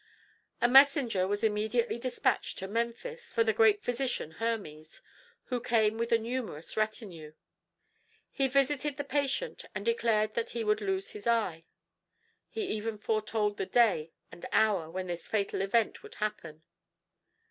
A messenger was immediately dispatched to Memphis for the great physician Hermes, who came with a numerous retinue. He visited the patient and declared that he would lose his eye. He even foretold the day and hour when this fatal event would happen.